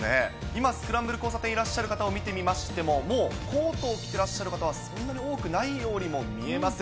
今、スクランブル交差点にいらっしゃる方も見てみましても、もうコートを着てらっしゃる方はそんなに多くないようにも見えます。